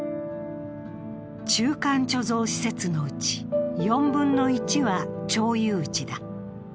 中間貯蔵施設のうち４分の１は町有地だ。